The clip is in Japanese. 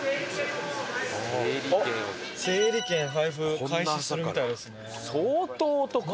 整理券配布開始するみたいですね。